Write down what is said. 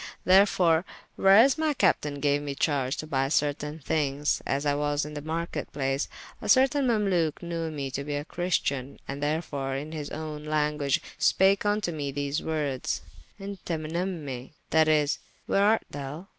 Therefore whereas my Captayne gaue me charge to buy certayne thynges, as I was in the market place, a certayne Mamaluke knewe me to be a christian, and therefore in his owne language spake vnto me these woordes, Inte mename, that is, whence art thou?